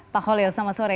pak holil selamat sore